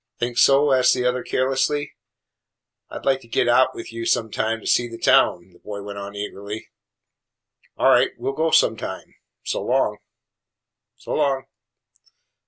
"Think so?" asked the other carelessly. "I 'd like to get out with you some time to see the town," the boy went on eagerly. "All right, we 'll go some time. So long." "So long."